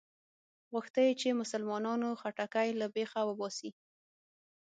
غوښته یې چې مسلمانانو خټکی له بېخه وباسي.